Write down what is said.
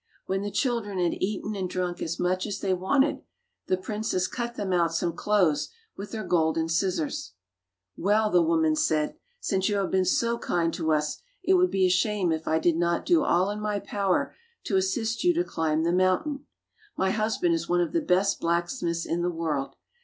When the children had eaten and drunk as much as they wanted the princess cut them out some clothes with her golden scissors. ''Well," the woman said, "since you have been so kind to us it would be a shame if I did not do all in my power to assist you to climb the mountain. My husband is one of the best blacksmiths in the world.